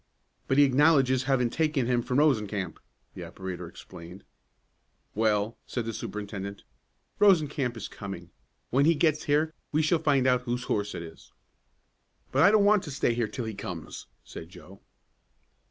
"But he acknowledges having taken him from Rosencamp," the operator explained. "Well," said the superintendent, "Rosencamp is coming. When he gets here we shall find out whose horse it is." "But I don't want to stay here till he comes," said Joe.